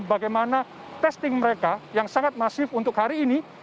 bagaimana testing mereka yang sangat masif untuk hari ini